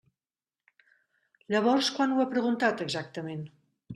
Llavors, quan ho ha preguntat, exactament?